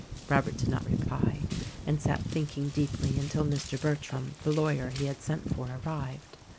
Robert did not reply and sat thinking deeply until Mr. Bertram, the lawyer he had sent for, arrived.